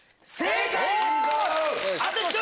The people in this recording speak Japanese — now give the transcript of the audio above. あと１人！